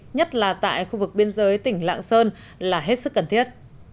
nhất là tại khu vực biên giới tỉnh lạng sơn là hết sức cần thiết